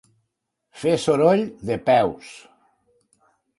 Fer soroll de peus.